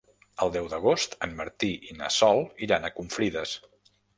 El deu d'agost en Martí i na Sol iran a Confrides.